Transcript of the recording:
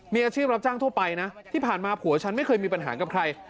มีอาชีพรับจ้างทั่วไปนะที่ผ่านมาผัวฉันไม่เคยมีปัญหากับใคร